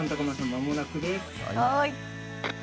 間もなくです。